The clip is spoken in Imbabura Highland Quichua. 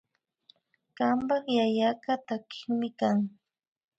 Kanpak yayaka takikmi kan